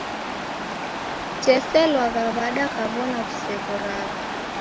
Kuteselwagha w'ada kaw'ona kuseghoragha?